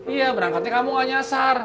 iya berangkatnya kamu gak nyasar